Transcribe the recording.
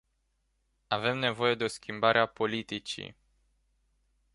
Avem nevoie de o schimbare a politicii.